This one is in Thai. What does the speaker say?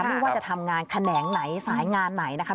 ไม่ว่าจะทำงานแขนงไหนสายงานไหนนะคะ